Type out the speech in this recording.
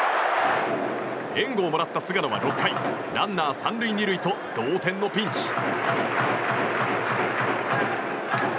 援護をもらった菅野は６回ランナー３塁２塁と同点のピンチ。